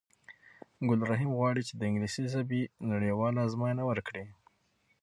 ګل رحیم غواړی چې د انګلیسی ژبی نړېواله آزموینه ورکړی